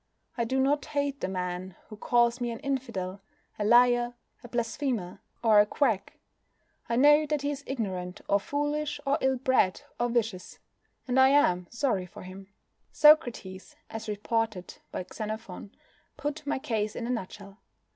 I do not hate the man who calls me an infidel, a liar, a blasphemer, or a quack. I know that he is ignorant, or foolish, or ill bred, or vicious, and I am sorry for him. Socrates, as reported by Xenophon, put my case in a nutshell.